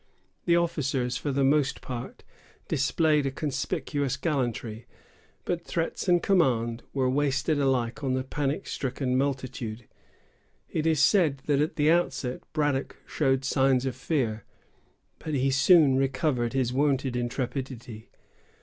The officers, for the most part, displayed a conspicuous gallantry; but threats and commands were wasted alike on the panic stricken multitude. It is said that at the outset Braddock showed signs of fear; but he soon recovered his wonted intrepidity.